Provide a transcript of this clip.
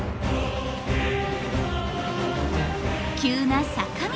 急な坂道。